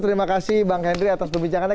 terima kasih bang henry atas perbincangannya